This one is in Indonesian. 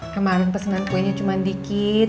kemarin pesenan kuenya cuman dikit